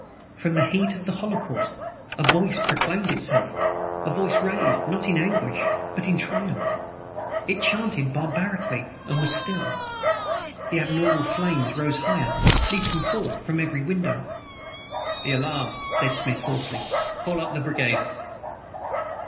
From the heat of the holocaust a voice proclaimed itself a voice raised, not in anguish but in TRIUMPH! It chanted barbarically and was still. The abnormal flames rose higher leaping forth from every window. "The alarm!" said Smith hoarsely. "Call up the brigade!"